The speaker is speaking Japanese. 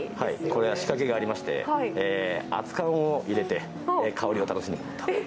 これは仕掛けがありまして熱燗を入れて香りを楽しんで飲むと。